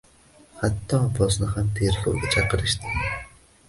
Hatto Abbosni ham tergovga chaqirishdi